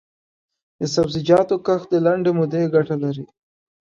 د سبزیجاتو کښت د لنډې مودې ګټه لري.